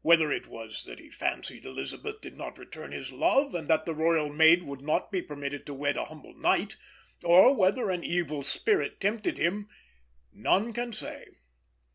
Whether it was that he fancied Elisabeth did not return his love, and that the royal maid would not be permitted to wed a humble knight; or whether an evil spirit tempted him, none can say.